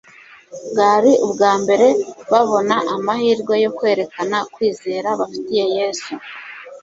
Bwari ubwa mbere babona amahirwe yo kwerekana kwizera bafitiye yesu